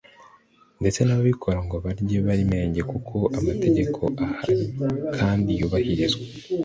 ndetse n’ababikora ngo barye bari menge kuko amategeko ahari kandi yubahirizwa